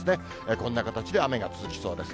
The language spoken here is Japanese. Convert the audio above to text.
こんな形で雨が続きそうです。